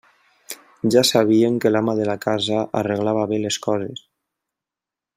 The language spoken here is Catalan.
Ja sabien que l'ama de la casa arreglava bé les coses.